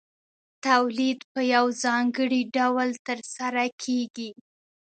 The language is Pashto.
تولید په یو ځانګړي ډول ترسره کېږي